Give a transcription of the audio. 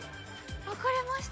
分かれました？